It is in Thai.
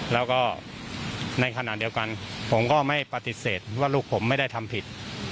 แล้วก็ในขณะเดียวกันผมก็ไม่ปฏิเสธว่าลูกผมไม่ได้ทำผิด